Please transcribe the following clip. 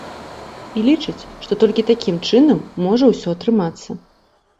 І лічыць, што толькі такім чынам можа ўсё атрымацца.